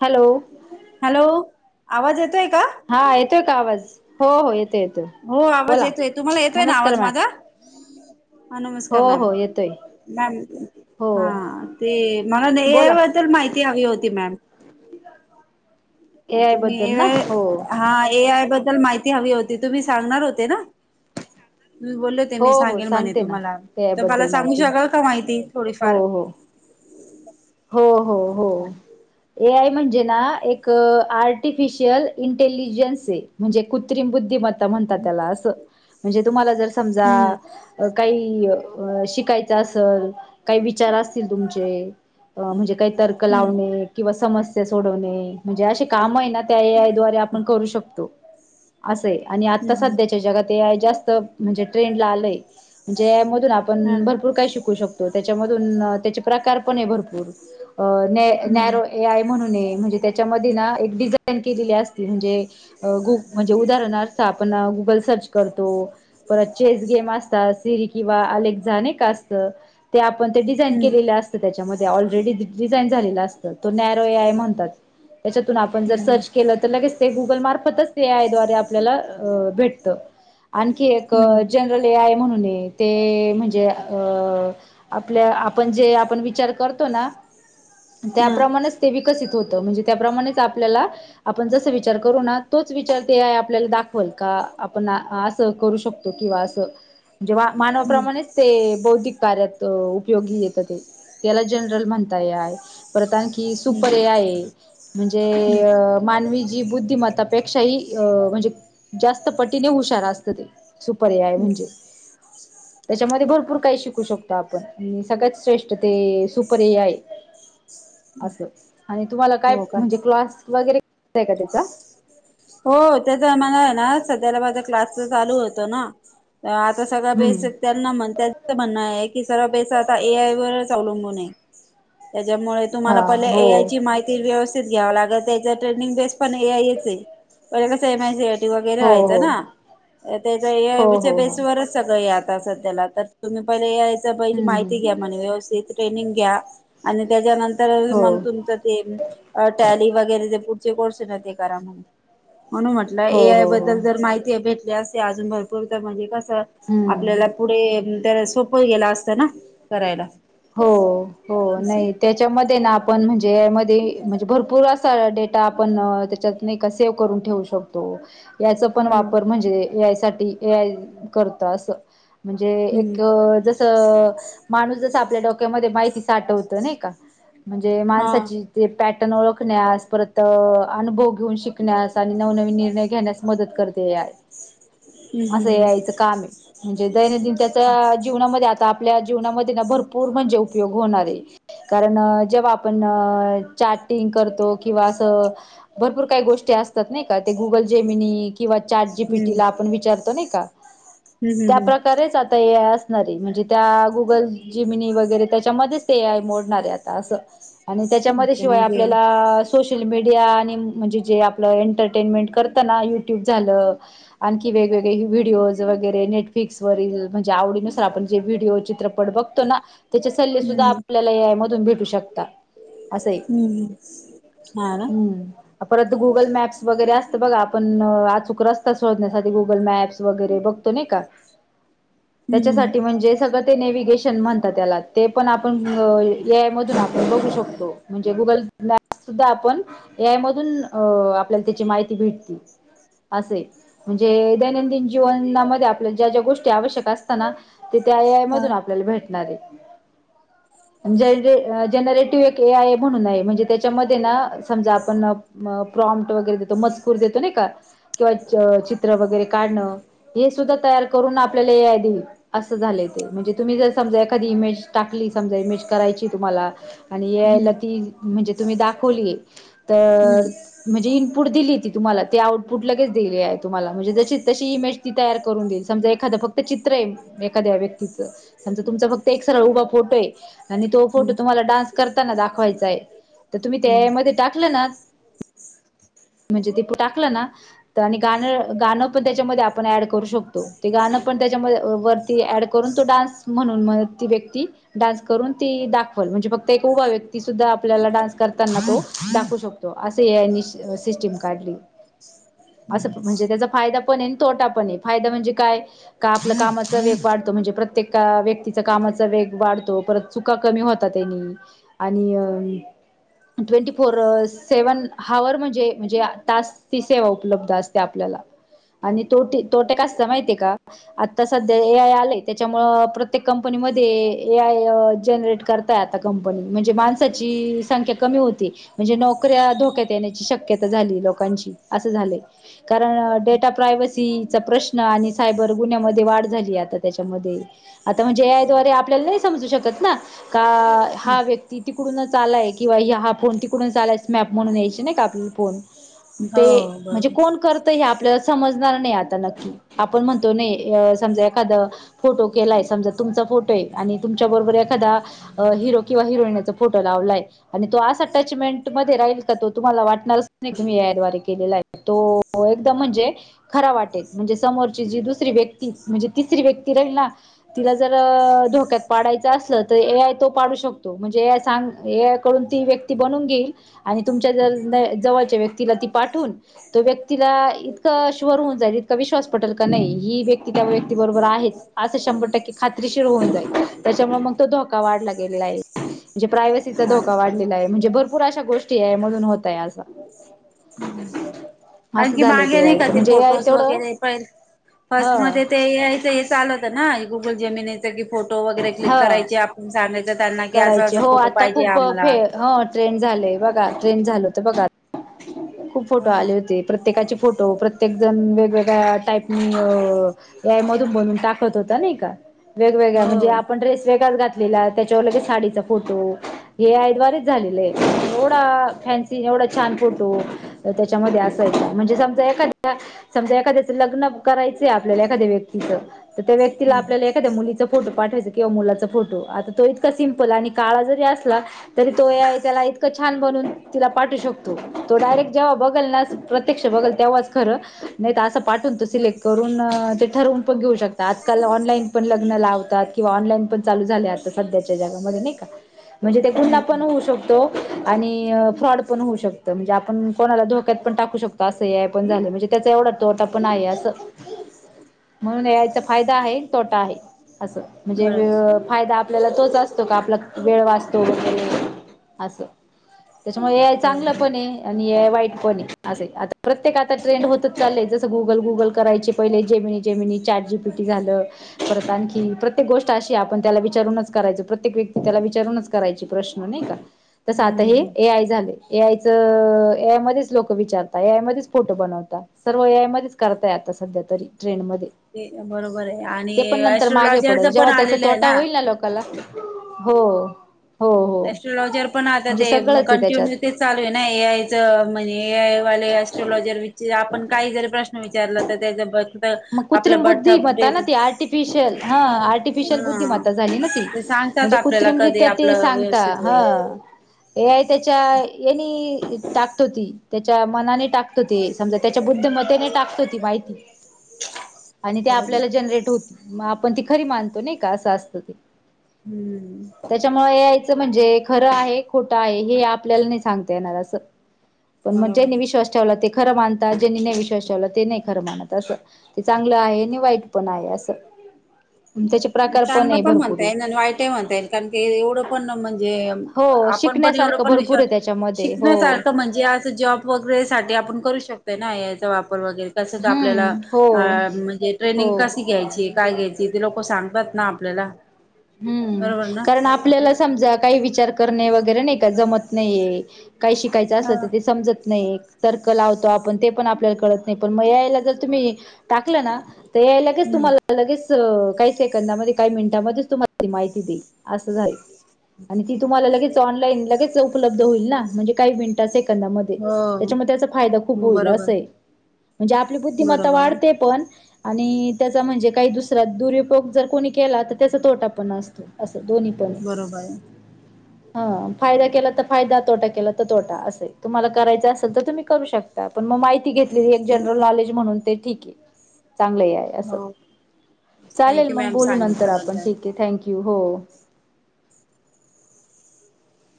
Hello hello आवाज येतोय का? हा येतोय का आवाज? हो हो येतो येतोय. हो आवाज बोला येतोय. तुम्हाला येतोय ना नमस्कार आवाज माझा? मॅडम हा हो नमस्कार मॅम. हो येतोय मॅम हो हा ते मला ए. आय बोला बद्दल माहिती हवी होती मॅम. हो. [unintelligible] ए आय तुम्ही बद्दल ए. ना आय. हो हा ए. आय. बद्दल. बद्दल माहिती हवी होती. तुम्ही सांगणार होते ना? त बोलले तेनी हो मी हो सांगेल म्हणे सांगते ना तुम्हाला. ए आय तर मला बद्दल सांगू माहिती शकाल का माहिती हो थोडीफार. हो हो. हो. हो ए. आय. म्हणजे ना. एक आर्टिफिशियल इंटेलिजन्स म्हणजे कृत्रिम बुद्धिमता. म्हणतात त्याला अस. म्हणजे तुम्हाला जर समजा. हम्म काही शिकायची. इच्छा असेल. काहीं विचार असतील तुमचे. म्हणजे काही तर्क हम्म लावणे. समस्या सोडवणे. म्हणजे असे काम आहे ना. त्या ए. आय. द्वारे आपण करू शकतो. असं आहे. आणि आता हम्म सध्याच्या जगात जास्त म्हणजे ट्रेंडला आलंय. म्हणजे. आप हा भरपूर काय शिक शकतो. त्याच्यामधून त्या प्रकार पण आहे भरपूर. अ न हम्म नॅरो ए आय म्हणून. म्हणजे तेच्या मध्ये ना एक डिजाइन केलेली असते. म्हणजे गु म्हणजे उदाहरणार्थ आपण गुगल सर्च करतो. परत चेस गेम असतात. किंवा अलेक्सा नाही का असत. ते आपण ते डिझाईन हम्म केलेलं असत त्याच्यामध्ये. ऑलरेडी डिझाईन झालेलं असतं तो नॅरो ए. आय म्हणतात. त्याच्यातून आपण जर हम्म सर्च केलं तर लगेचच. ते गुगल मार्फतच ते आयद्वारे आपल्याला भेटत. आणखी एक हम्म जनरल ए. आय म्हणून. ते म्हणजे आपलं. आपण जे विचार करतो तो ना. हम्म हा त्याप्रमाणच ते विकसित होत. म्हणजे त्याप्रमाणेच आपल्याला आपण जस विचार करू ना. तोच विचार ते ए. आय आपल्याला दाखवल का. आपण असं करू शकतो. किंवा असं. जेव्हा हम्म मानवाप्रमाणेच ते बौद्धिक कार्यात उपयोगी येत ते त्याला. जनरल म्हणता ए. आय. परत आणखी हम्म सुपर ए. आय हम्म म्हणजे मानवी जन बुद्धिमत्तापेक्षा ह अ म्हणजे जास्त पटीने हुशारा असत ते. Super A. आय म्हणजे. त्याच्यामध्ये भरपूर काही शिकू शकतो आपण. सगळ्यात श्रेष्ठ ते. पुढे हे हाय अस. आणि तुम्हाला हो का क्लास वगैरे. आहे का त्याचा. हो त्याचा आ मला आहे ना. सध्याला माझा क्लासच चालू होतो ना. आता सगळ बेस हम्म त्यांना म्हण त्यांचं म्हणणं आहे. की सर्व बेस आता ए. आय वर. अवलंबून आहे. त्याच्यामुळे हा तुम्हाला पहिला हो ए आय ची माहिती व्यवस्थित घ्यावं लागल. त्याचा ट्रेनिंग बेस पण ए. आय येत आहे. रे समा [unintelligible] वगैरे हो राहायचं हो ना. हो हो हो बेसवरच सगळं हे आता. त्याला तर तुम्ही पहिले ए. आय. हम्म माहिती घ्या हम्म म्हने व्यवस्थित. ट्रेनिंग घ्या. आणि त्याच्यानंतर हो मग तुमच ते. अ टॅली वगैरे ते पुढचे कोर्स आहेत ते करा मग. म्हणून म्हटलं हो ए आय हो हो बद्दल जर माहिती भेटली असते अजून भरपूर तर म्हणजे कस हम्म आपल्याला पुढे त्या सोपं गेला असतं ना करायला हो हो असं नाही त्याच्यामध्ये ना आपण म्हणजे यामध्ये म्हणजे भरपूर असा डेटा आपण त्याच्यात नाही का सेव्ह करून ठेवू शकतो याचा पण हम्म वापर म्हणजे ए आय साठी ए आय करत असं म्हणजे हम्म एक जस माणूस जस मा म्हण माण हा ण ओळखण्यास परत अनुभव घेऊन शिकण्यास आणि नवनवीन निर्णय घेण्यास मदत करते ह असं यायच काम आहे म्हणजे दैनंदिन त्याच्या जीवनामध्ये आता आपल्या जीवनामध्ये ना भरूर म्हणे उपयो कारण जेव्हा आपणतो किं भपूर का गो अस नाही का गुल जेनी किंवा चारजी पीटीला हम्म आपण विचारतो नाही का हम्म हम्म त्या हम्म हम्म प्र्रकारेच आता म्हणजे त्या गुगल जिमनी वगैरे त्याच्यामध्येच ते ए आय मोडणार आहे आता असं आणि त्याच्यामध्ये ओके शिवाय म्हणजे आपल्याला सोश ण वेगळे व्हिडिओज वगैरे नेटफ्लिक्सरील म्हणजे आवडी नुसार आपणे व्हिडिओ चित्रपट बघ त्याचे सल्ले सुद्धा हम्म आपल्याला ए आय मधून भेटू शकत. हम्म हा ना म्म परत गुगल मॅप्स वगैरे अस. बघा आपण अचूक रस्ता शोधण्यासाठी गुगल मॅप्स वगैरे बघतो नाही का. हम्म हम्म त्याच्यासाठी म्हणजे सगळं ते ने. म्हणत त्याला ते पण आपण ए आय मधून आपण बघू शकतो म्हणजे गुगल. सुद्धा आपण ए आय मधून आपल्याला त्याची माहिती भेटती. असे म्हणजे दैनंदिन जीवनामध्ये आपल्या ज्या ज्या गोष्टी आवश्यक असताना. तिथ आय आय हा मधून आपल्याला भेटणार आहे. [unintelligible] जरे जनरेटिव्ह एक एय म्हणून आहे म्हणजे त्याच्यामध्ये ना समजा आपण. प्रॉमट वगैरे देतो मजकूर देतो नाही का. किंवा चित्र वगैरे काढणं हे सुद्धा तयार करून आपल्याला ए आय देईल असं झाले. म्हणजे तुम्ही जस. समजा एखादी इमेज टाकली समजा इमेज करायची तुम्हाला आणि ए आय हम्म ला ती. म्हणजे तुम्ही दाखवलीय हम्म तर म्हणजे. ट दिली तुम्हाला ते आउटपुट लगेच दिले आहे तुम्हाला म्हणजे जशी तशी इमेज तयार करून दिल समज एखा फक्त चित्र आहे एखाद्या व्यक्तीचं. आमचा तुमचा फक्त एक सगळा उभा फोटो आहे आणि तो हम्म फोटो तुम्हाला डान्स करताना दाखवायचा आहे. तर तुम्ही ए हम्म आय मध्ये टाकलं ना. [unintelligible] म्हणजे ते टाकलं ना आणि गाणं गाणं पण त्याच्यामध्ये आपण ऍड करू शकतो ते गाण. गाणं पण त्याच्यावरती ऍड करून तो डान्स. म्हणून मग ती व्यक्ती डान्स करून ती दाखवल म्हणजे फक्त एक उभ व्यक्ती सुद्धा आपल्याला डान्स. त्यांना तो दाखवू शकतो असे याने सिस्टीम काढली. असं म्हणजे त्याचा फायदा पण आहे आणि तोटा पण आहे फायदा म्हणजे काय का आपलं कामाचा वेगवाढ. म्हणजे प्रत्येक. एका व्यक्तीचा कामाचा वेग वाढतो परत चुका कमी होता त्यांनी आणि अ. ट्वेंटी फोर सेव्हन हावर म्हणजे म्हणजे तास ती सेवा उपलब्ध असते आपल्या. आणि तोटे तोटे काय माहिती काय आ सध्या ए आय आ त्या. प्रत्येक कंपनी मध्ये ए आय जनरेट करताय आता कंपनी म्हणजे माणसाची. संख्या कमी होती म्हणजे नोकऱ्या धोक्यात येण्याची शक्यता झाली लोकांची असं झाले. कारण डेटा प्रायव्हसीचा प्रश्न आणि सायबर गुन्ह्यामध्ये वाढ झाली आता त्याच्यामध्ये. आता म्हणज ए आय द्वारे आपल्याला नाही समजू शकत ना, का हा व्यक्ती तिकडूनच. चालाय किंवा हा फोन तिकडून चालाय स्मॅप म्हणून यायची ना, का आपला फोन. हो ते म्हणजे बरोबर कोण करत हे आपल्या. समजणार नाही आता नक्की आपण म्हणतो नाही अ समजा एखा फोटो. केलाय समजा तुमचा फोटो आहे आणि तुमच्या, बरोबर एखादा हिरो किंवा हिरोईनचा फोटो लावलाय. आणि तो आसा अटॅचमेंट मध्ये राहील का तो तुम्हाला वाटणारच नाही तुम मही याद्वारे केलेला आहे तो. हो एकदम म्हणजे खरा वाटेल म्हणजे समोरची जी दुसरी व्यक्ती, म्हणजे तिसरी व्यक्ती राहील ना, तिला जर धोक्यात पाडायचं असलं तर ए आय तो पाडू शकतो म्हणजे ए आय सांग ए य ती व्यक्ती बनवून घेईल आणि तुमच्या जर जवळच्या व्यक्तीला ती पाठवून तो व्यक्तीला. हा इकत शोहर होऊन जाईल इतका विश्वास पटेल की नाही ही व्यक्ती त्या व्यक्ती बरोबर आहे. शंभर टक्के खात्रीशीर होऊन जाईल त्याच्यामुळे मग तो धोका वाढ लागलेला आहे. म्हणे प्रायव्हसी. धोका चालेल वाढलेला आहे म्हणे भर भरपूर अशा गोष्टी ए आय आहे म्हधून होतय असं. [unintelligible] असं आणखी झालंय मागे नाही का यायचं ते म्हणजे ए आय फोटोज तेवढं वगैरे पण ह फर्स्टमध्ये ते ए आय च हे चालत. ना गुगल जे मी नि येत. [unintelligible] फोटो वगैरे ह क्लिक करायचे आपण सांगायच त्यांना कि असं, करायचे असं हो फोटो पाहिजे आम्हाला. आलंय बघा ट्रेन झालय बघा खूप फोटो आले होते प्रत्येका फोटो प्रत्येक जण वेगवेगळ्या टाईपनी ए आय मधून बधून टाकत होता नाही का वेगवेगळ म्हणजे हो आपण ड्रेस वेगळा घात केला त्याच्यावर लगेच साडीचा फोटो हे ह्या द्वारेच झालेले आहे. फसढ आणि फेन्सी एवढ [unintelligible] छान फोटो त्याच्यामध्ये असायचा म्हणजे समजा एखाद्या समजा, एखाद्याच लग्न करायचं आपल्या एखाद्या व्यक्तीच तर त्या व्यक्तीला आपल्या एखा्दया मुलीचा फोटो पाठवते किंवा मुलाचा फोटो आता तो इतका सिंपल आणि काळा जरी असला तरी तो ए आय त्याला इतक छान बनून तिला पाठू शकतो. तो डायरेक्ट जेव्हा बघल ना, प्रत्यक्ष बघल तेव्हाच खरं नाही तर असं पाठवून तो सिलेक्ट करून अ ते ठरवून पण घेऊ शकता. आजकाल ऑनलाईन पण लग्न लावतात. किंवा ऑनलाईन पण चालू झाल्यात सध्याच्या जगामध्ये नाही का म्हणजे ते गुन्हहा पण हम्म होऊ शकतो. आणि फ्रॉड पण होऊ शकतो. म्हणजे आपण कोणाला धोक्यात पण टाकू शकतो. असं हे पण झालं म्हणजे त्याचा एवढा तोटा पण आहे असं म्हणून ए आय चा फायदा आहे तोटा आहे असं म्हणजे वे बरोबर फायदा आपल्याला तोच असतो का? आपला वेळ वाचतो वैगेरे असं त्याच्यामुळेय चांगलं बरोबर पण हे आणि वाईट पण अस प्रत्येक आता ट्रेंड होतच चालय जे गुगल, गुगल करायचे पहिले जेमिनी जेमिनी चाट जी पीटी झालं परत आणखी प्रत प्रत्येक गोष्ट अशी आहे. आपण त्याला विचारूनच करायचं प्रत्येक व्यक्ती त्याला विचारूनच. करायची प्रश्न नाही का? तस आता हम्म हे हम्म ए आय झाले. ए आय चं ए आय मध्येच लोक विचारताय मध्येच फोटो बनवतााय सर्व ए आय मध्येच करताय आता सध्या तरी ट्रेंड मध्ये ते बरोबर आहे आणि ते पण नंतर मागे. पडल एस्ट्रोलॉजरच पण जेव्हा त्याचा आलेलं आहे तोटा होईल ना, लोकांना हो हो हो एस्ट्रलॉजीर पण आता म्हणजे ते म सगळंच आहे त्याच्यात कंटिन्यू ते चालू आहे ना, ए आयच म्हणजे ए आय वाले अस्ट्रोलॉजर आपण काही जरी प्रश्न विचारला तर त्याच्या पण मग कुत्रिम बुद्धिमता आर्टिफिशियल हा. आर्टिफिशियल हा बुद्धिमत्ता झाली ना ती ते सांगतात म्हणजे आपल्याला कधी कृत्रिमृत्या ते आपलं सांगता व्यवस्थित ह, होईल. ए आय त्याचा ह्यांनी टाकतो ती त्याच्या मनाने टाकतो. ते समजा त्याच्या बुद्धमत्तेने टाकतो ती माहिती. आणि ते बरोबर. आपल्याला जनरेट होत आपण ती खरी मानतो. नाही का असं असतं ते हम्म. त्याच्यामुळे ए आयचं म्हणजे खरं आहे खोटं आहे हे आपल्याला नाही सांगता येणार असं पण मग बरोबर ज्यांनी आहे. विश्वास ठेवला. ते खरं मानता ज्यांनी नाही विश्वास ठेवला ते नाही खरं मानत असं ते चांगलं आहे आणि वाईट पण आहे असं त्याचे प्रकार चांगलं आहे पण भरपूर म्हणता येईल आणि वाईटही म्हणता येईल कारण की एवढं पण म्हणजे हो आपण पण एवढं शिकण्यासारखं पण भरपूर आहे विचारतो त्याच्यामध्ये हो शिकण्यासारखं म्हणजे असं जॉब वगैरे साठी आपण करू शकतोय ना, ए आय चा वापर तसेच आपल्याला हम्म हो अ म्हणजे ट्रेनिंग हो कशी घ्यायची, काय घ्यायची, ते लोक सांग तात ना आपल्याला. हूं बरोबर ना कारण आपल्याला समजा काही विचार कर णे वगैरे नाही का जमत नाहीए काही शिकायचं असलं ह तर ते समजत नाहीए तर्क लावतो आपण ते पण आपल्याला कळत नाही पण म ए आय यला जर तुम्ही टाकलं ना ए आय लगेच हम्म तुम्हाला लगेच काही सेकंदामध्ये काही मिनिटामध्येच तुम्हाला माहिती देईल असं आहे आणि ती तुम्हाला लगेच ऑनलाईन लगेच उपलब्ध होईल ना म्हणजे काही मिनटात से कंदा मधे, हो त्याच्याम त्याचा फायदा खूप होईल बरोबर असय म्हणजे आपली बुद्धिमत्ता बरोबर आहे वाढते पण आणि त्याचा म्हणजे काही दुसरा दुरुउपयोग जर कोणी केला, तर त्याचा तोटा पण असतो असं दोन्ही पण बरोबर आहे हा फायदा केला त फायदा, तोटा केला तर तोटा, असय तुम्हाला करायच असेल त तुम्ही करू शकता पण म माहिती घेतलेली जनरल नॉलेज म्हणून ते ठीक हे. चांगलं हे ए आय आहे असं, हो चालेल थँक्यू मग मॅम बोलू नंतर आपण सांगितल्याबद्दल. ठीक आहे थँक्यू हो!